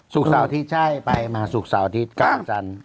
สุขสาวทิศใช่ไปมาสุขสาวทิศกลับจันทร์